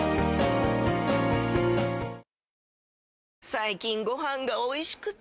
最近ご飯がおいしくて！